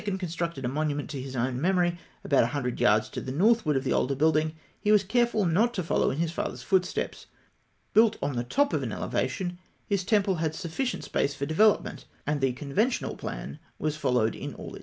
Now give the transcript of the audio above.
constructed a monument to his own memory, about a hundred yards to the northward of the older building, he was careful not to follow in his father's footsteps. Built on the top of an elevation, his temple had sufficient space for development, and the conventional plan was followed in all its strictness. [Illustration: Fig.